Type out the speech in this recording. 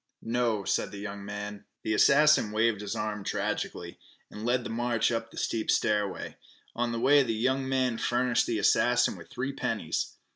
"No," said the young man. The assassin waved his arm tragically, and led the march up the steep stairway. On the way the young man furnished the assassin with three pennies.